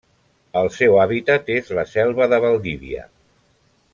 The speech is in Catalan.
El seu hàbitat és la selva de Valdivia.